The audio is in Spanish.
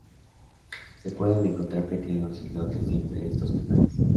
Se pueden encontrar pequeños islotes entre estos canales.